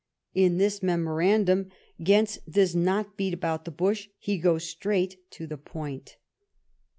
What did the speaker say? In this memorandum Gentz does not beat about the bush ; he goes straight to the ])oint.